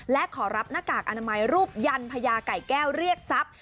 และขอรับหน้ากากอนามัยรูปยันพญาไก่แก้วเรียกทรัพย์